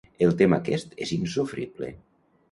El tema aquest és insofrible.